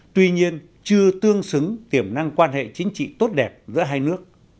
tuy nhiên chưa tương xứng tiềm năng quan hệ chính trị tốt đẹp giữa hai nước